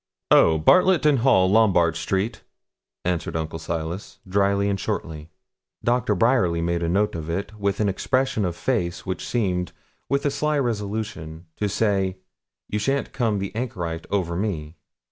'Oh! Bartlet and Hall, Lombard Street,' answered Uncle Silas, dryly and shortly. Dr. Bryerly made a note of it, with an expression of face which seemed, with a sly resolution, to say, 'You shan't come the anchorite over me.'